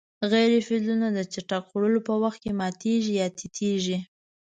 غیر فلزونه د څټک خوړلو په وخت کې ماتیږي یا تیتیږي.